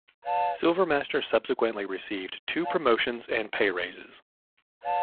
Silvermaster subsequently received two promotions and pay raises.